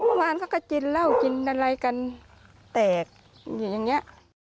เมื่อวานเขาก็กินเหล้ากินอะไรกันแตกอยู่อย่างนี้